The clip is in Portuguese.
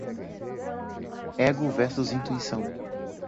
Ego versus intuição